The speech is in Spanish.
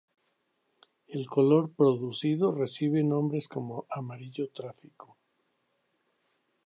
El color producido recibe nombres como amarillo tráfico.